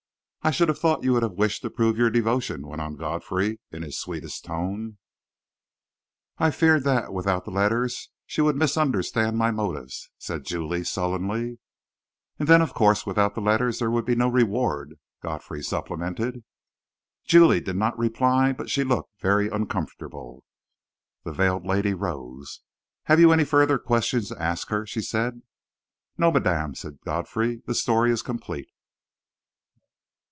"I should have thought you would have wished to prove your devotion," went on Godfrey, in his sweetest tone. "I feared that, without the letters, she would misunderstand my motives," said Julie, sullenly. "And then, of course, without the letters, there would be no reward," Godfrey supplemented. Julie did not reply, but she looked very uncomfortable. The veiled lady rose. "Have you any further questions to ask her?" she said. "No, madame," said Godfrey. "The story is complete."